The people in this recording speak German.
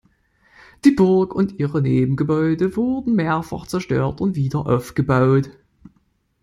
Die Burg und ihre Nebengebäude wurden mehrfach zerstört und wieder aufgebaut.